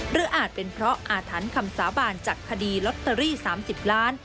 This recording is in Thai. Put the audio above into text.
อาจเป็นเพราะอาถรรพ์คำสาบานจากคดีลอตเตอรี่๓๐ล้าน